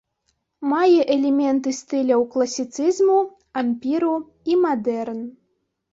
Мае элементы стыляў класіцызму, ампіру і мадэрн.